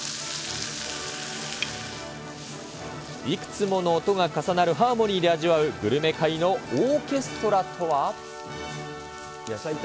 いくつもの音が重なるハーモニーで味わうグルメ界のオーケストラとは。